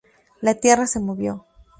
La tierra se movió.